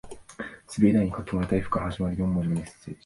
滑り台に書き込まれた Ｆ から始まる四文字のメッセージ